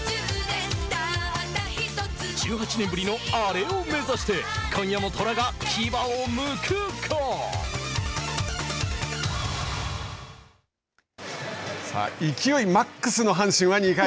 １８年ぶりのアレを目指して今夜も虎が牙をむくか！？さあ、勢いマックスの阪神は２回。